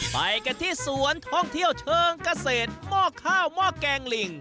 ไปกันที่สวนท่องเที่ยวเชิงเกษตรหม้อข้าวหม้อแกงลิง